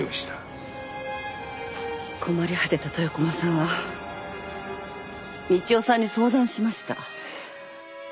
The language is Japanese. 困り果てた豊駒さんは道夫さんに相談しました。